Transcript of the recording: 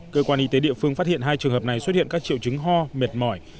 cơ quan y tế địa phương phát hiện hai trường hợp này xuất hiện các triệu chứng ho mệt mỏi